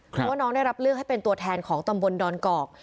เพราะว่าน้องได้รับเลือกให้เป็นตัวแทนของตำบลดอนกอก